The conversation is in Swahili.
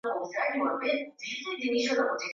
aa kocha bonface mkwasa ukiwa hapo dodoma